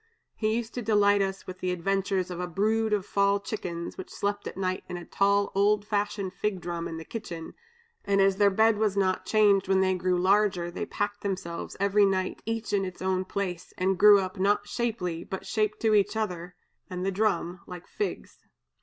He used to delight us with the adventures of a brood of fall chickens, which slept at night in a tall old fashioned fig drum in the kitchen, and as their bed was not changed when they grew larger, they packed themselves every night each in its own place, and grew up, not shapely, but shaped to each other and the drum, like figs!